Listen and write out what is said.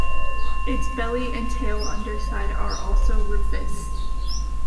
Its belly and tail underside are also rufous.